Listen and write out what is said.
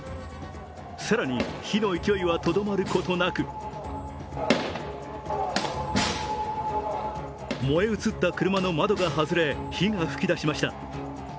更に火の勢いはとどまることなく燃え移った車の窓が外れ、火が噴き出しました。